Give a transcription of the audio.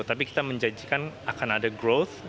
tapi kita menjanjikan akan ada growth